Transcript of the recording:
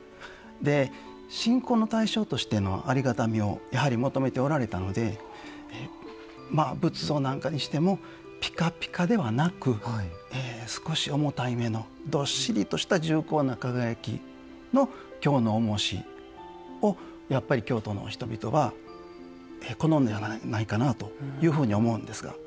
で信仰の対象としてのありがたみをやはり求めておられたのでまあ仏像なんかにしてもピカピカではなく少し重たいめのどっしりとした重厚な輝きの「京の重押し」をやっぱり京都の人々は好んでやまないかなというふうに思うんですが。